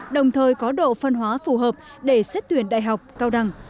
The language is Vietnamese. đồng thời có độ phân hóa phù hợp để xét tuyển đại học cao đẳng